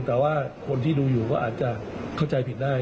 แต่ว่าคนที่ดูอยู่ก็อาจจะเข้าใจผิดได้